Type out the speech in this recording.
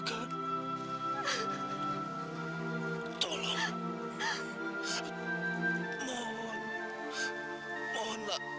kenapa kau persis berpikir